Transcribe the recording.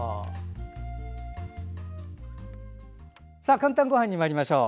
「かんたんごはん」にまいりましょう。